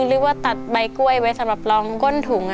หรือว่าตัดใบกล้วยไว้สำหรับรองก้นถุง